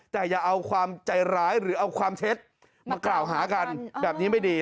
แต่อย่าเอาความใจร้ายหรือเอาความเท็จมากล่าวหากันแบบนี้ไม่ดี